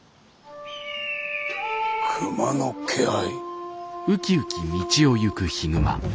熊の気配？